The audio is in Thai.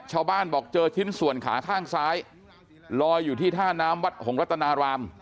ชาวบ้านบอกเจอชิ้นส่วนขาข้างซ้ายลอยอยู่ที่ท่าน้ำวัดหงรัตนาราม